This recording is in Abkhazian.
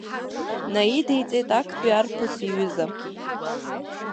Наидиҵеит актәи арԥыс иҩыза.